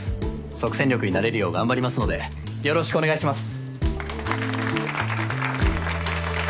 即戦力になれるよう頑張りますのでよろしくお願いします。